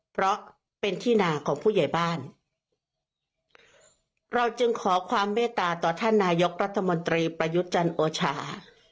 เพราะเป็นที่นาของผู้ใหญ่บ้านเราจึงขอความเมตตาต่อท่านนายกรัฐมนตรีประยุทธ์จันทร์โอชา